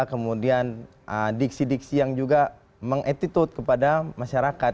kemudian diksi diksi yang juga meng attitude kepada masyarakat